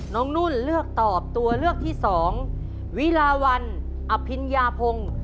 น้องนุ่นเลือกตอบตัวเลือกที่๒วิลาวันอภิญาพงษ์